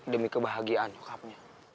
demi kebahagiaan nyokapnya